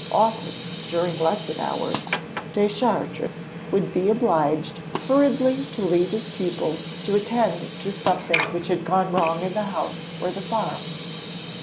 Often, during lesson hours, Deschartres would be obliged hurriedly to leave his pupils to attend to something which had gone wrong in the house or the farm.